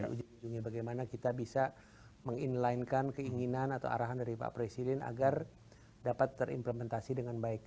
ujung ujungnya bagaimana kita bisa meng inline kan keinginan atau arahan dari pak presiden agar dapat terimplementasi dengan baik